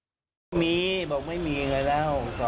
บ่อนวิ่งอยู่ไทยเรื่องนี้ต้องไปถามนายก